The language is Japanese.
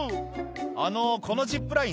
あのこのジップライン